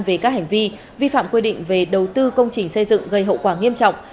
về các hành vi vi phạm quy định về đầu tư công trình xây dựng gây hậu quả nghiêm trọng